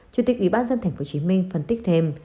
chủ tịch ủy ban dân tp hcm phân tích thêm